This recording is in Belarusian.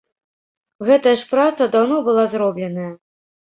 Гэтая ж праца даўно была зробленая.